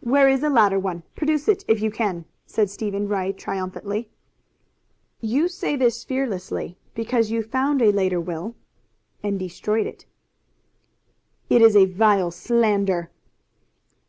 "Where is a later one? Produce it if you can?" said Stephen Ray triumphantly. "You say this fearlessly because you found a later will and destroyed it." "It is a vile slander!"